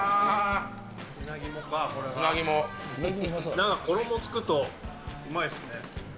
なんか衣つくとうまいっすね。